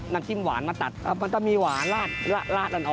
น้ำจิ้มหวานมาตัดมันต้องมีหวานลาดอ่อน